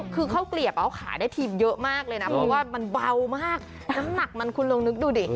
คือข้าวเกลียบเขาขายได้ทีมเยอะมากเลยนะเพราะว่ามันเบามากน้ำหนักมันคุณลองนึกดูดิ